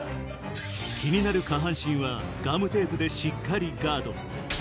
気になる下半身はガムテープでしっかりガード